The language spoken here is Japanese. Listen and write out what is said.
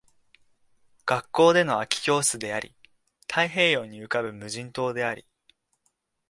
学校での空き教室であり、太平洋に浮ぶ無人島であり